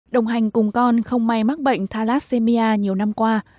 đồng hành cùng con không may mắc bệnh thalassemia nhiều năm qua